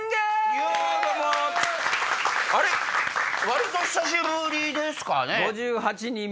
割と久しぶりですかね。